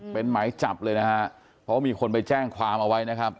เป็นหมายจับเลยนะฮะเพราะมีคนไปแจ้งความเอาไว้นะครับ